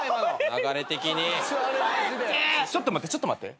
ちょっと待ってちょっと待って。